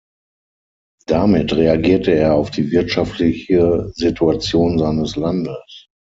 Damit reagierte er auf die wirtschaftliche Situation seines Landes.